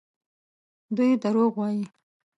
دوی دروغ وايي.